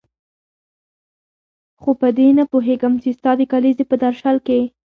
خو په دې نه پوهېږم چې ستا د کلیزې په درشل کې.